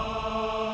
aku yang berhenti